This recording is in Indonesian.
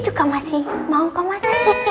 suka mas sih mau kok mas